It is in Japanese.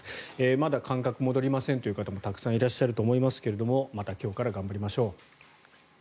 まだ感覚が戻りませんという方もたくさんいらっしゃると思いますけどまた今日から頑張りましょう。